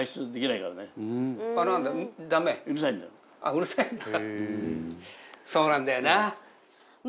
うるさいんだ？